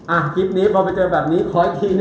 อ่าคิดนี้ผมเจอแบบนี้คอยบอกไป